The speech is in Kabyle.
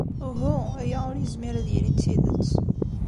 Uhu, aya ur yezmir ad yili d tidet.